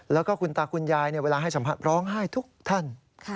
แล้วก็คุณตาคุณยายเวลาให้สัมภาษณ์ร้องไห้ทุกท่าน